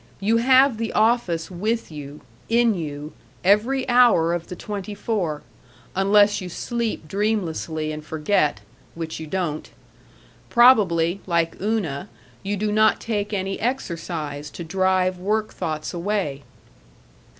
You have the office with you, in you, every hour of the twenty four, unless you sleep dreamlessly and forget which you don't. Probably, like Una, you do not take any exercise to drive work thoughts away.